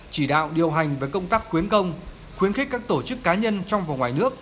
chỉ đạo điều hành với công tác quyến công khuyến khích các tổ chức cá nhân trong và ngoài nước